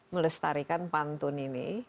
melestarikan pantun ini